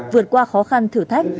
vượt qua khó khăn thử thách